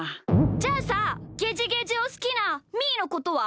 じゃあさゲジゲジをすきなみーのことは？